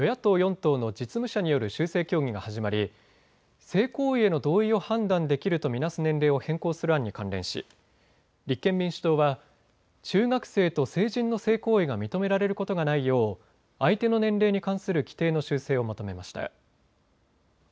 党の実務者による修正協議が始まり性行為への同意を判断できると見なす年齢を変更する案に関連し立憲民主党は中学生と成人の性行為が認められることがないよう相手の年齢に関する規定の修正を求めました。